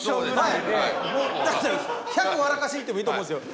１００笑かしにいってもいいと思うんですよ。